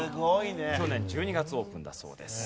去年１２月オープンだそうです。